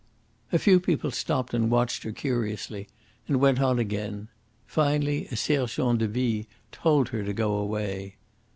A few people stopped and watched her curiously, and went on again. Finally a sergent de ville told her to go away.